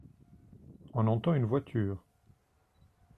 On entend une voiture.